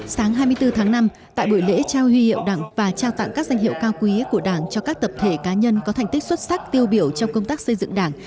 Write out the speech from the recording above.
sáng hai mươi bốn tháng năm tại buổi lễ trao huy hiệu đảng và trao tặng các danh hiệu cao quý của đảng cho các tập thể cá nhân có thành tích xuất sắc tiêu biểu trong công tác xây dựng đảng